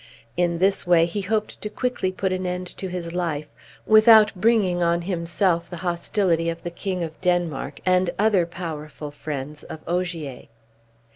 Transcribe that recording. In this way he hoped to quickly put an end to his life without bringing on himself the hostility of the King of Denmark, and other powerful friends of Ogier.